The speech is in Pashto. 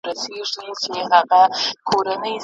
ستا د کور د کوڅې خاوري مي رانجه سي